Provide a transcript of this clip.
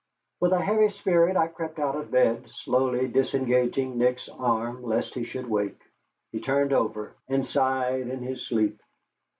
With a heavy spirit I crept out of bed, slowly disengaging Nick's arm lest he should wake. He turned over and sighed in his sleep.